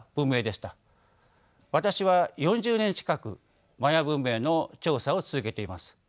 私は４０年近くマヤ文明の調査を続けています。